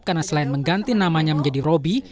karena selain mengganti namanya menjadi robi